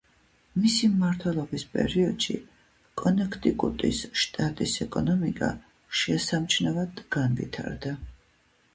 მისი მმართველობის პერიოდში კონექტიკუტის შტატის ეკონომიკა შესამჩნევად განვითარდა.